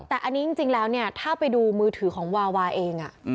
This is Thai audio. แต่อันนี้จริงแล้วเนี่ยถ้าไปดูมือถือของวาวาเอง